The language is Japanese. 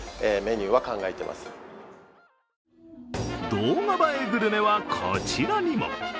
動画映えグルメはこちらにも。